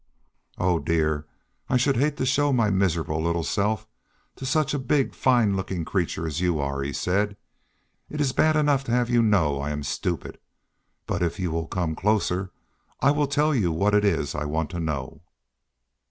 "Oh, dear! I should hate to show my miserable little self to such a big, fine looking creature as you are," he said. "It is bad enough to have you know I am stupid, but if you will come closer I will tell you what it is I want to know."